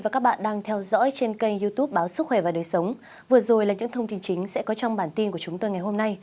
các bạn hãy đăng ký kênh để ủng hộ kênh của chúng mình nhé